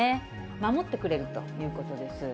守ってくれるということです。